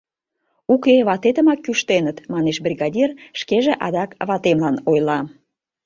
— Уке, ватетымак кӱштеныт, — манеш бригадир, шкеже адак ватемлан ойла.